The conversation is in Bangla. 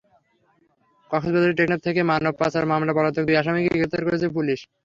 কক্সবাজারের টেকনাফ থেকে মানব পাচার মামলার পলাতক দুই আসামিকে গ্রেপ্তার করেছে পুলিশ।